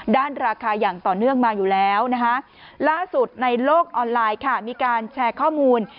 ราคาอย่างต่อเนื่องมาอยู่แล้วนะคะล่าสุดในโลกออนไลน์ค่ะมีการแชร์ข้อมูล